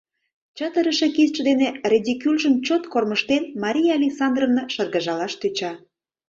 Чытырыше кидше дене ридикюльжым чот кормыжтен, Мария Александровна шыргыжалаш тӧча.